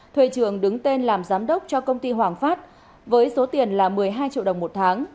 thuê trường đứng tên làm giám đốc cho công ty hoàng phát với số tiền là một mươi hai triệu đồng một tháng